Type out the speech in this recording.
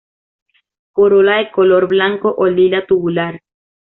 Corola de color blanco o lila, tubular.